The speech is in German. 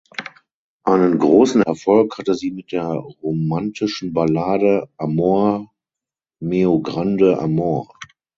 Einen großen Erfolg hatte sie mit der romantischen Ballade "Amor meu grande amor".